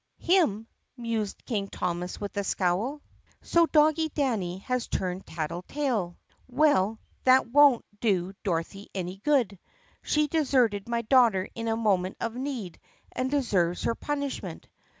"Hm," mused King Thomas with a scowl. "So Doggy Danny has turned tattle tale. Well, that won't do Dorothy any good. She deserted my daughter in a moment of need and deserves her punishment."